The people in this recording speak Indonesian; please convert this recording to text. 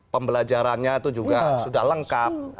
pembelajarannya itu juga sudah lengkap